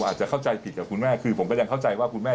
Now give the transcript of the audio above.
อาจจะเข้าใจผิดกับคุณแม่คือผมก็ยังเข้าใจว่าคุณแม่